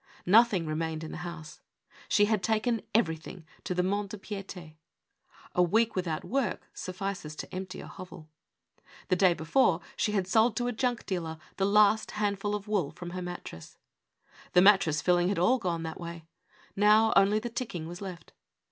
Nothing remained in the house. She had taken every thing to the Mont de Pict(5. A week without work suffi ces to empty a hovel. The day before she had sold to a junk dealer the last handful of wool from her mattress. The mattress filling had all gone that way ; now, only the ticking was left.